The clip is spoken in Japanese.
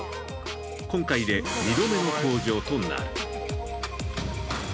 今回で２度目の登場となる。